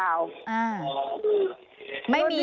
อ่าไม่มี